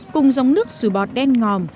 cùng dòng nước xùi bọt đen ngòm